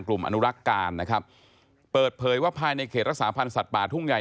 กลุ่มอนุรักษ์การนะครับเปิดเผยว่าภายในเขตรักษาพันธ์สัตว์ป่าทุ่งใหญ่